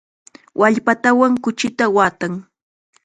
Wallpatawan kuchita waatan.